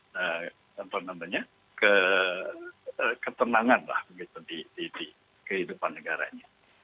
namanya ketenangan lah di kehidupan negaranya